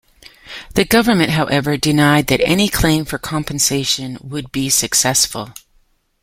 The government, however, denied that any claim for compensation would be successful.